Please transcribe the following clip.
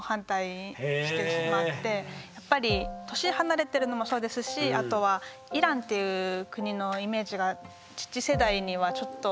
やっぱり年離れてるのもそうですしあとはイランっていう国のイメージが父世代にはちょっと。